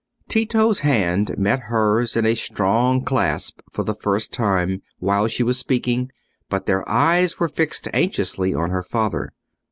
Tito's hand met hers in a strong clasp for the first time, while she was speaking, but their eyes were fixed anxiously on her father.